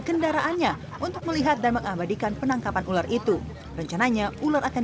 kendaraannya untuk melihat dan mengabadikan penangkapan ular itu rencananya ular akan